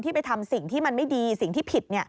ไปทำสิ่งที่มันไม่ดีสิ่งที่ผิด